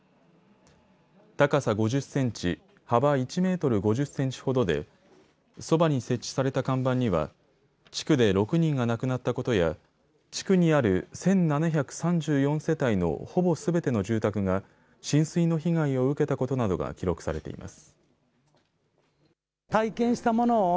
高さ５０センチ、幅１メートル５０センチほどでそばに設置された看板には地区で６人が亡くなったことや地区にある１７３４世帯のほぼすべての住宅が浸水の被害を受けたことなどが記録されています。